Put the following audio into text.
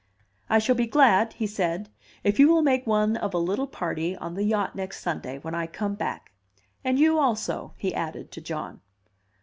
"I shall be glad," he said, "if you will make one of a little party on the yacht next Sunday, when I come back. And you also," he added to John.